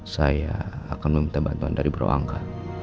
saya akan meminta bantuan dari bro angga